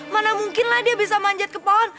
mana mungkin lah dia bisa manjat ke pohon